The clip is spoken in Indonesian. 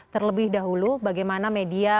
terlebih dahulu bagaimana media